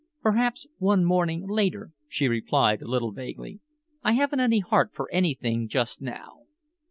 "Perhaps one morning later," she replied, a little vaguely. "I haven't any heart for anything just now."